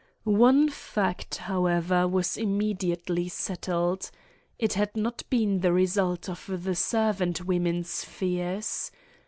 One fact, however, was immediately settled. It had not been the result of the servant women's fears.